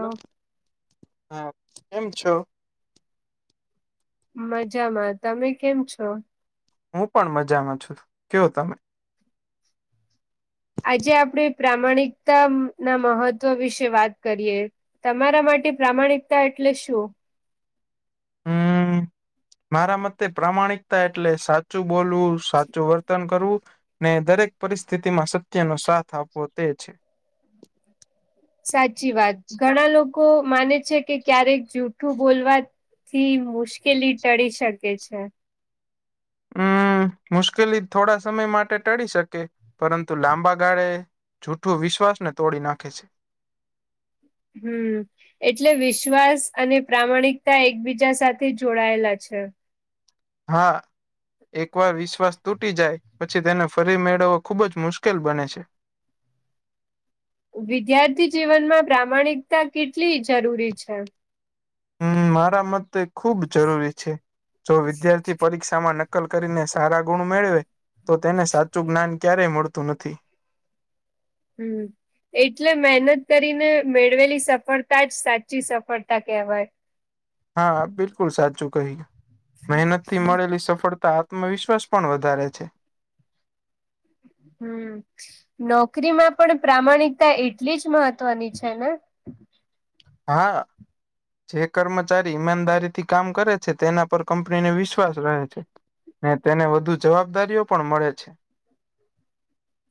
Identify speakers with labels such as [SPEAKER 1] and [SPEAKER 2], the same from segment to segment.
[SPEAKER 1] હ હા કેમ છો
[SPEAKER 2] મજામાં તમે કેમ છો
[SPEAKER 1] હું પણ મજામાં છું કેવ તમે
[SPEAKER 2] આજે આપણે પ્રામાણિકતા ના મહત્વ વિશે વાત કરીએ તમારા માટે પ્રામાણિકતા એટલે શું
[SPEAKER 1] હમ મારા મતે પ્રામાણિકતા એટલે સાચ સાચું બોલવું સાચું વર્તન કરવું ને દરેક પરિસ્થિતિ માં સત્યનો સાથ આપવો તે છે
[SPEAKER 2] સાચી વાત ઘણા લોકો માને છે કે ક્યારેક જૂઠું બોલવા થી મુશ્કેલી ટળી શકે છે
[SPEAKER 1] હમ મુશ્કેલી થોડા સમય માટે ટળી શકે પરંતુ લાંબા ગાળે જૂઠું વિશ્વાસ ને તોડી નાખે છે
[SPEAKER 2] હમ્ એટલે વિશ્વાસ અને પ્રામાણિકતા એકબીજા સાથે જોડાયેલા છે
[SPEAKER 1] હા એક વાર વિશ્વાસ તૂટી જાય પછી તેને ફરી મેળવવો ખુબ જ મુશ્કેલ બને છે
[SPEAKER 2] વિદ્યાર્થી જીવનમાં પ્રામાણિકતા કેટલી જરૂરી છે
[SPEAKER 1] હમ મારા મતે ખુબ જરૂરી છે જો વિદ્યાર્થી પરીક્ષામાં ન લ કરીને સારા ગુણ મેળવે તો તેને સાચું જ્ઞાન ક્યારેય મળતું નથી
[SPEAKER 2] હમ એટલે મહેનત કરીને મેળવેલી સફળતા જ સાચી સફળતા કહેવાય
[SPEAKER 1] હા બિલકુલ સાચું કહી મહેનત થી મળેલી સફળતા તમાં વિશ્વાસ પણ વધારે છે
[SPEAKER 2] હમ નોકરીમાં પણ પ્રામાણિકતા એટલી જ મહત્વની છે ને
[SPEAKER 1] હા જે કર્મચારી ઈમાનદારીથી કામ કરે છે તેના પર કંપનીને વિશ્વાસ રહે છે અનેને તેને વધુ જવાબદારીઓ પણ મળે છે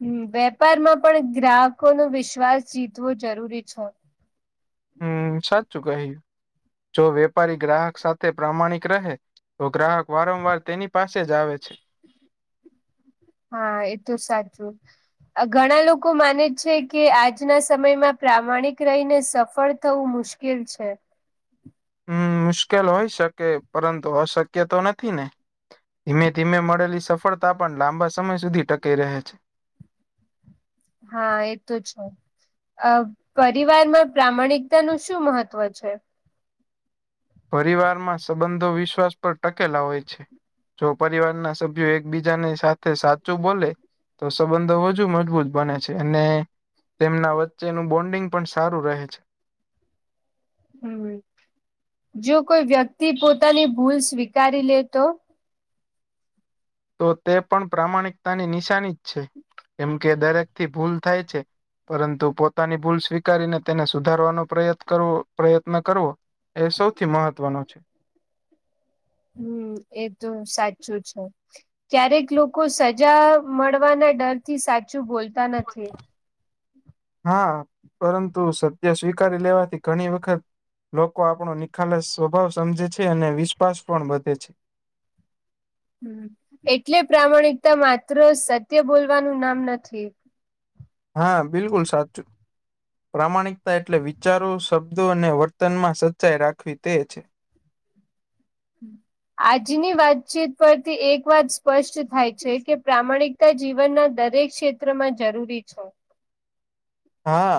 [SPEAKER 2] હમ વેપારમાં પણ ગ્રાહકો નો વિશ્વાસ જીતવો જરૂરી છ
[SPEAKER 1] હમ સાચું કહ્યું જો વેપારી ગ્રાહક સાથે પ્રામાણિક રહે તો ગ્રાહક વારંવાર તેની પાસે જ આવે છે
[SPEAKER 2] હમ હા એ તોું સાચું ઘણા લોકો માને છે કે આજના સમયમાં પ્રામાણિક રહીને સફળ થવું મુશ્કેલ ઉશકેલ છે
[SPEAKER 1] હમ મુશ્કેલ હોય શકે પરંતુ અશક્ય તો નથી ને ધીમે ધીમે મળેલી સફળતા પણ લાંબા સમય સુધી ટકાઈ રહે છે
[SPEAKER 2] હા એ તો છે અ પરિવારમાં પ્રામાણિકતા નું શું મહત્વ છે
[SPEAKER 1] પરિવારમાં સંબંધો વિશ્વાસ પર ટકેલા હોય છે જો પરિવાર ના સભ્યો એકબીજાની સાથે સાચું બોલે તો સંબંધો વધજુ મજબૂત બને છે અને તેમના વચ્ચેનુ બોન્ડિંગ પણ સારું રહે છે
[SPEAKER 2] હમ જો કોઈ વ્યક્તિ પોતાની ભૂલ સ્વીકારી લે તો
[SPEAKER 1] તો તે પણ પ્રામાણિકતાની નિશાની જ છે કેમ કે દરેક થી ભૂલ થાય છે પરંતુ પોતાની ભૂલ સ્વીકારીને તેને સુધારવાનો પ્રયત્ન કરવો પ્રયત્ન કરવો એ સૌથી મહત્વનો છે
[SPEAKER 2] હમ એ તો સાચું છે. ક્યારેક લોકો સજા મળવાના ડર થી સાચું બોલતા નથી.
[SPEAKER 1] હા પરંતુ સત્ય સ્વીકારી લેવાથી ઘણી વખત લોકો આપણો નિખાલસ સ્વભાવ સમજે છે અને વિશ્વાસ પણ વધે છે.
[SPEAKER 2] એટલે પ્રમાણિકતા માત્ર સત્ય બોલવાનું નામ નથી.
[SPEAKER 1] હા બિલકુલ સાચું. પ્રામાણિકતા એટલે વિચારો શબ્દો અને વર્તનમાં સચ્ચાઈ રાખવી તે છે. [inaudible]
[SPEAKER 2] આજની વાતચીત પરથી એક વાત સ્પષ્ટ થાય છે કે પ્રામાણિક તા જીવનના દરેક ક્ષેત્ર માં જરૂરી છો.
[SPEAKER 1] હા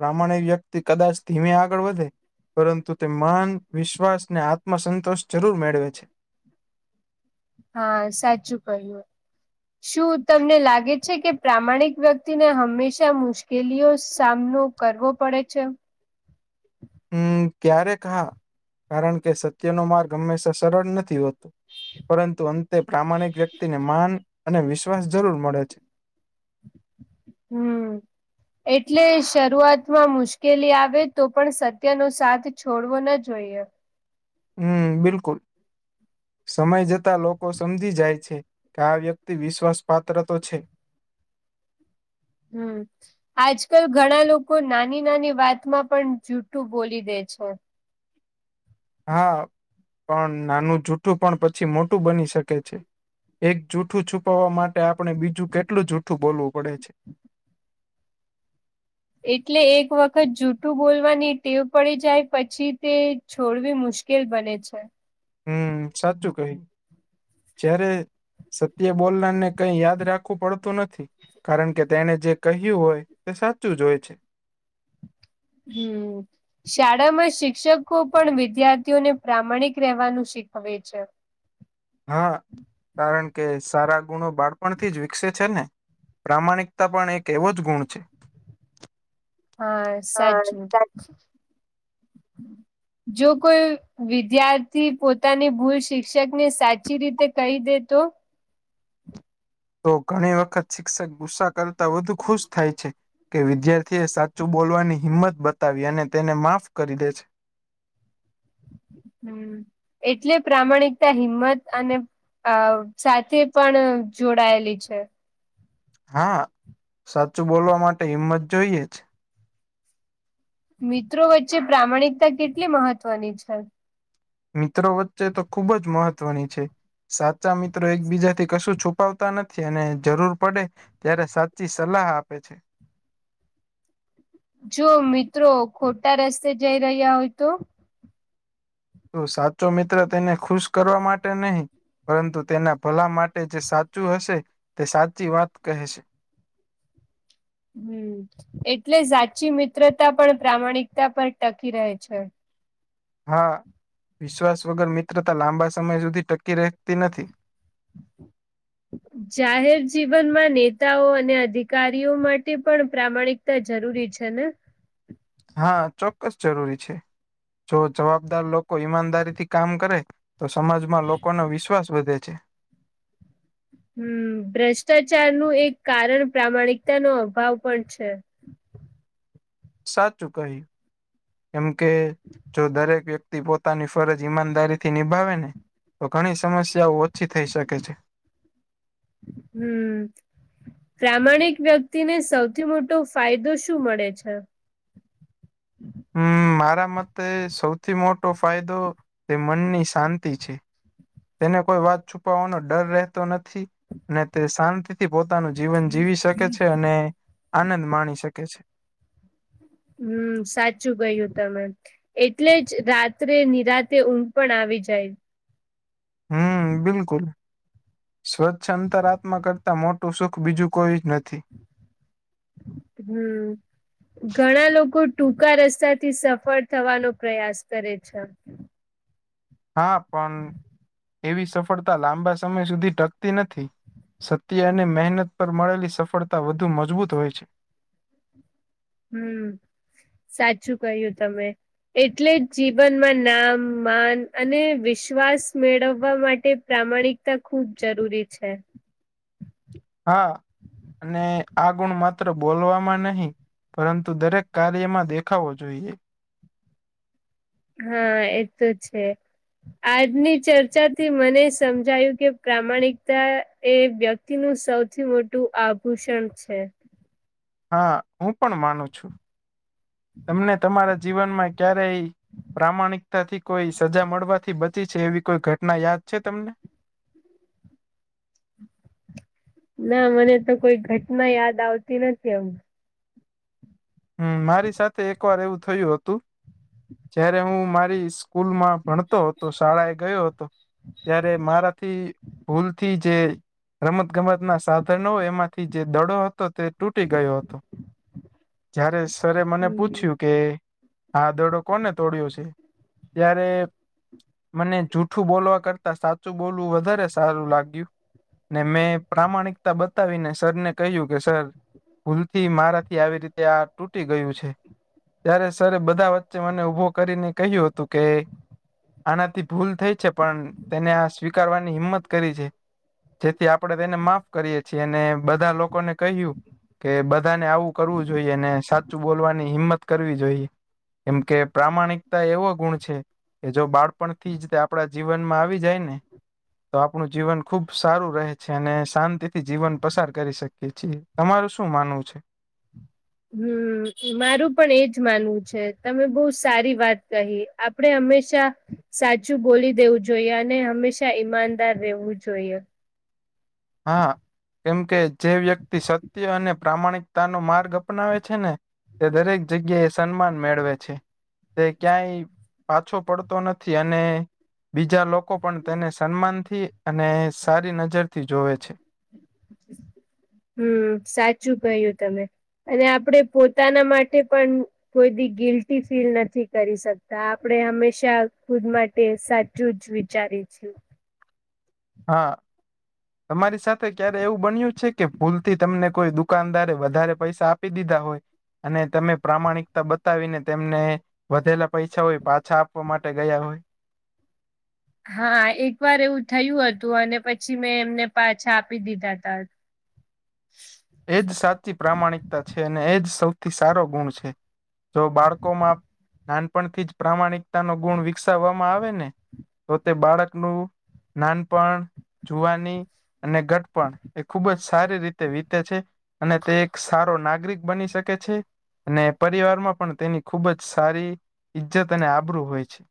[SPEAKER 1] પ્રામાણિક વ્યક્તિ કદાચ ધીમે આગળ વધે. પરંતુ તે માન વિશ્વાસ ને આત્મ સંતોષ જરૂર મેળવે છે.
[SPEAKER 2] હા સાચું કહ્યું.
[SPEAKER 1] [inaudible]
[SPEAKER 2] શું તમને લાગે છે કે પ્રામાણિક વ્યક્તિને હંમેશા મુશ્કેલીઓ સામનો કરવો પડે છે?
[SPEAKER 1] હમ ક્યારે હા કારણ કે સત્યનો માર્ગ હંમેશા સરળ નથી હોતો. પરંતુ અંતે પ્રામાણિક વ્યક્તિને માન અને વિશ્વાસ જરૂર મળે છે.
[SPEAKER 2] હમ. એટલે શરૂઆતમાં મુશ્કેલી આવે તો પણ સત્યનો સાથ છોડવો ના જોઈએ.
[SPEAKER 1] હમ્મ બિલકુલ. સમય જતા લોકો સમજી જાય છે કે આ વ્યક્તિ વિશ્વાસ પાત્ર તો છે.
[SPEAKER 2] હમ્મ. આજકાલ ઘણા લોકો નાની નાની વાતમાં પણ જુઠું બોલી દે છે.
[SPEAKER 1] હા પણ નાનું જુઠું પણ પછી મોટું બની શકે છે. એક જૂઠું છુપાવવા માટે આપણે બીજું કેટલું જૂઠું બોલવું પડે છે.
[SPEAKER 2] એટલે એક વખત જૂઠું બોલવાની ટેવ પડી જાય પછી તે છોડવી મુશ્કેલ બને છે.
[SPEAKER 1] હમ સાચું કહ્યું જ્યારે સત્ય બોલનારને કઈ યાદ રાખવું પડતું નથી. કારણ કે તેને જે કહ્યું હોય તે સાચું જ હોય છે.
[SPEAKER 2] હમ. શાળામાં શિક્ષકો પણ વિદ્યાર્થીઓને પ્રામાણિક રહેેવાનું શીખવે છે.
[SPEAKER 1] હા કારણ કે સારા ગુણો બાળપણથી જ વિકસે છે ને. પ્રામાણિકતા પણ એક એવો જ ગુણ છે.
[SPEAKER 2] હા
[SPEAKER 1] હા
[SPEAKER 2] સાચું.
[SPEAKER 1] [inaudible]
[SPEAKER 2] જો કોઈ વિદ્યાર્થી પોતાની ભૂલ શિક્ષક ને સાચી રીતે કહી દે તો
[SPEAKER 1] તો ઘણી વખત શિક્ષક ગુસ્સા કરતા વધુ ખુશ થાય છે. કે વિદ્યાર્થી એ સાચું બોલવાની હિંમત બતાવી અને તેને માફ કરી દે છે.
[SPEAKER 2] હમ એટલે પ્રામાણિકતા હિંમત અને અ સાથે પણ જોડાયેલી છે.
[SPEAKER 1] હા સાચું બોલવા માટે હિંમત જોઈએ જ.
[SPEAKER 2] મિત્રો વચ્ચે પ્રામાણિકતા કેટલી મહત્વની છે?
[SPEAKER 1] મિત્રો વચ્ચે તો ખુબ જ મહત્વની છે. સાચા મિત્રો એકબીજા થી કશું છુપાવતા નથી અને જરૂર પડે ત્યારે સાચી સલાહ આપે છે.
[SPEAKER 2] જો મિત્રો ખોટા રસ્તે જઈ રહ્યા હોય તો
[SPEAKER 1] તો સાચો મિત્ર તેને ખુશ કરવા માટે નહીં. પરંતુ તેના ભલા માટે જે સાચું હશે તે સાચી વાત કહે છે.
[SPEAKER 2] હમ એટલે સાચી મિત્રતા પણ પ્રામાણિકતા પર ટકી રહે છે.
[SPEAKER 1] હા વિશ્વાસ વગર મિત્રતા લાંબા સમય સુધી ટકી રહેતી નથી
[SPEAKER 2] [unintelligible] જાહેર જીવનમાં નેતાઓ અને અધિકારીઓ માટે પણ પ્રામાણિકતા જરૂરી છે ને
[SPEAKER 1] હા ચોક્કસ જરૂરી છે જો જવાબદાર લોકો ઈમાનદારી થી કામ કરે તો સમાજમાં લોકોનો વિશ્વાસ વધે છે.
[SPEAKER 2] હમ ભ્રષ્ટાચાર નું એક કારણ પ્રામાણિકતા નો અભાવ પણ છે.
[SPEAKER 1] સાચુ કહી કેમ કે જો દરેક વ્યક્ તી પોતાની ફરજ ઈમાનદારી થી નિભાવે ને તો ઘણી સમસ્યાઓ ઓછી થઈ શકે છે.
[SPEAKER 2] હમ પ્રામાણિક વ્યક્તિને સૌથી મોટો ફાયદો શું મળે છે?
[SPEAKER 1] હમ મારા મતે સૌથી મોટો ફાયદો તે મનની શાંતિ છે. તેને કોઈ વાત છુપાવવાનો ડર રહેતો નથી ને તે શાંત થી પોતાનું જીવન જીવી શકે છે અને આનંદ માણી શકે છે.
[SPEAKER 2] હમ સાચું કયું તમે. એટલે જ રાત્રે નિરાતે ઊગ પણ આવી જાય.
[SPEAKER 1] હમ બિલકુલ સ્વચ્છ અંતર આત્મા કરતાં મોટું સુખ બીજું કોઈ જ નથી.
[SPEAKER 2] હમ ઘણા લોકો ટૂંકા રસ્તા થી સફળ થવાનો પ્રયાસ કરે છે.
[SPEAKER 1] હા પણ એવી સફળતા લાંબા સમય સુધી ટકતી નથી. સત્ય અને મહેનત પર મળેલી સફળતા વધુ મજબૂત હોય છે.
[SPEAKER 2] હમ સાચું કહ્યું તમે. એટલે જ જીવનમાં નામ માન અને વિશ્વાસ મેળવવા માટે પ્રામાણિક તા ખુબ જરૂરી છે.
[SPEAKER 1] હા અને આ ગુણ માત્ર બોલવામાં નહી પરંતુ દરેક કાર્યમાં દેખાવો જોઈએ.
[SPEAKER 2] હા એ તો છે. આજની ચર્ચાથી મને સમજાયું કે પ્રમાણિકતા એ વ્ય ક્તિ નું સૌથી મોટું આભૂષણ છેસ
[SPEAKER 1] હા હું પણ માનું છું તમને તમારા જીવનમાં ક્યારેય પ્રામાણિકતા થી કોઈ સજા મળવાથી બચી છે એવી કોઈ ઘટના યાદ છે તમને?
[SPEAKER 2] ના મને તો કોઈ ઘટના યાદ આવતી નથી એમ.
[SPEAKER 1] હમ મારી સાથે એક વાર એવું થયું હતું. જયારે હું મારી સ્કૂલ માં ભણતો હતો શાળાએ ગયો હતો. ત્યારે મારાથી ભૂલથી જે રમત ગમતના સાધનો એમાંથી જે દડો હતો તે તૂટી ગયો હતો જયારે સર મને
[SPEAKER 2] હમ
[SPEAKER 1] પૂછ્યું કે આ દડો કોને તોડ્યો છે ત્યારે મને જૂઠું બોલવા કરતા સાચું બોલવું વધારે સારું લાગ્યું ને મેં પ્રામાણિકતા બતાવીને સરને કહ્યું કે સર ભૂલથી મારાથી આવી રીતે આ તૂટી ગયું છે ત્યારે સરે બધા વચે મને ઊભો કરીને કહ્યું હતું કે આનાથી ભૂલ થઈ છે પણ તેને આ સ્વીકારવાની હિંમત કરી છે. જેથી આપડે તેને માફ કરીએ છીએ અને બધા લોકોને કહ્યું કે બધાને આવું કરવું જોઈએ અનેને સાચું બોલવાની હિંમત કરવી જોઈએ કેમ કે પ્રામાણિકતા એવો ગુણ છે એ જો બાળપણ થી આપડા જીવનમાં આવી જાય ને તો આપણું જીવન ખુબ સારું રહે છે અને શાંતિ થી જીવન પસાર કરી શકીએ છીએ તમારું શું માનવું છે?
[SPEAKER 2] હમ મારું પણ એજ માનવું છે તમે બહુ સારી વાત કહી આપણેે હંમેશા સાચું બોલી દેવું જોઈએ અને હંમેશા ઈમાનદાર રહેવું જોઈએ
[SPEAKER 1] હા કેમ કે જે વ્યક્તિ સત્ય અને પ્રામાણિક પોતાનો માર્ગ અપનાવે છે ને તે દરેક જગ્યા એ સન્માન મેળવે છે તે ક્યાંય પાછો પડતો નથી અને બીજા લોકો લોકો પણ તેને સન્માનથી અને સારી નજરથી જોવે છે
[SPEAKER 2] હમ સાચું કહ્યું તમે અને આપડે પોતાના માટે પણ કોઈ બી ગિલ્ટી ફીલ નથી કરી શકતા આપણે હંમેશા ખુદ માટે સાચ જ વિચારી છું
[SPEAKER 1] હા તમારી સાથે ક્યારે એવું બન્યું છે કે ભૂલથી તમને કોઈ દુખ દુકાનદારે વધારે પૈસા આપી દીધા હોય અને તમે પ્રામાણિકતા બતાવીને તેમને વધેલા પૈસા હોય પાછા આપવા માટે ગયા હોય
[SPEAKER 2] હા એક વાર એવું થયું હતું અને પછી મેં એમને પાછા આપી દીધા ત
[SPEAKER 1] એજ સાચી પ્રામાણિકતા છે અને એજ સૌથી સારો ગુણ છે જો બાળકોમાં નાનપણથી જ પ્રામાણિકતા ન ગુણ વિકસાવવામાં આવે ને તો તે બાળકનું નાનપણ જવાની અને ગટપણ એ ખુબ જ સારી રીતે વીત છે અને તે એક સારો નાગરિક બની શકે છે અને પરિવારમાં પણ તેની ખુબ જ સારી ઈજ્જત અને આબરૂું હોય છે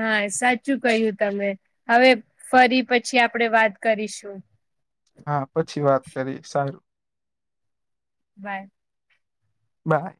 [SPEAKER 2] હા સાચું કહ્યું તમે હવે ફરી પછી આપણેે વાત કરીશું
[SPEAKER 1] હા પછી વાત કરી સારું
[SPEAKER 2] બાય.
[SPEAKER 1] બાય